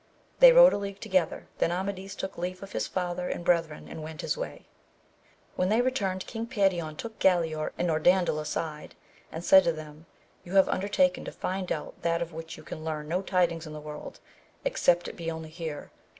They rode a league together, then Amadis took leave of his father and brethren and went his way. When they returned King Perion took Galaor and Norandel aside, and said to them, you have under taken to find out that of which you can learn no tidings in the world, except it be only here.